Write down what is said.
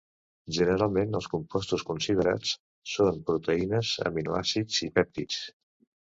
Generalment els compostos considerats són proteïnes, aminoàcids i pèptids.